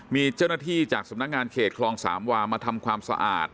มีเจ้าหน้าที่จากสำนักงานเขตคลองสามวามาทำความสะอาด